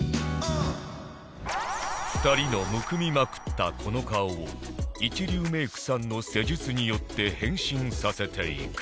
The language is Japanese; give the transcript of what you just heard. ２人のむくみまくったこの顔を一流メイクさんの施術によって変身させていく